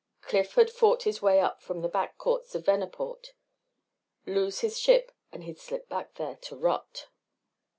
Cliff had fought his way up from the back courts of Venaport. Lose his ship and he'd slip back there to rot.